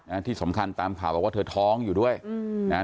อ่าที่สำคัญตามข่าวว่าเธอท้องอยู่ด้วยอืมอ่า